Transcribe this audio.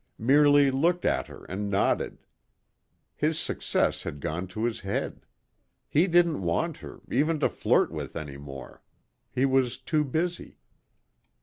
Merely looked at her and nodded. His success had gone to his head. He didn't want her, even to flirt with anymore. He was too busy....